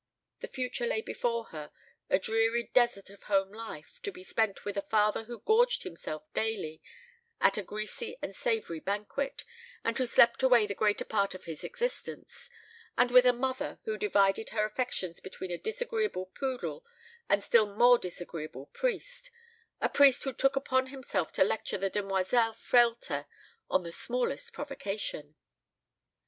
The future lay before her, a dreary desert of home life, to be spent with a father who gorged himself daily at a greasy and savoury banquet, and who slept away the greater part of his existence; and with a mother who divided her affections between a disagreeable poodle and a still more disagreeable priest a priest who took upon himself to lecture the demoiselle Frehlter on the smallest provocation.